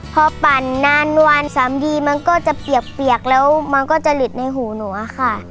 พอปั่นนานวัน๓ดีมันก็จะเปียกแล้วมันก็จะหลิดในหูหนูอะค่ะ